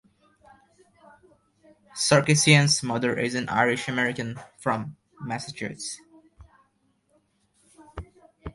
Sarkisian's mother is an Irish-American from Massachusetts.